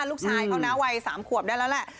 ลูกชายเขานะวัย๓ขวบได้แล้วแหละ